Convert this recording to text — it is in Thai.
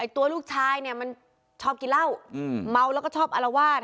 ตัวลูกชายเนี่ยมันชอบกินเหล้าเมาแล้วก็ชอบอารวาส